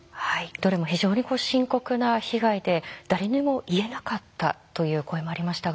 どれも非常に深刻な被害で誰にも言えなかったという声もありましたが。